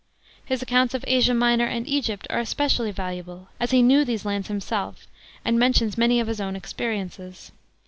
His accounts of As'a Minor and '''gypt are especially valuable, as he knew these lands himself and mentions many of his own experiences.